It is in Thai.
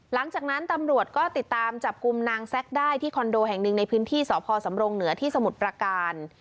หลังจากนั้นตำรวจก็ติดตามจับกลุ่มนางแซ็กได้ที่คอนโดแห่งหนึ่งในพื้นที่สพสำรงเหนือที่สมุทรประการ